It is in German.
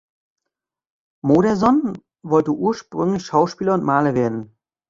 Modersohn wollte ursprünglich Schauspieler und Maler werden.